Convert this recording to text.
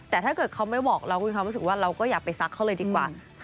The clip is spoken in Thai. แต่ถ้าเกิดเขาไม่บอกเราคุณค่ะเราก็อยากไปซักเขาเลยดีกว่า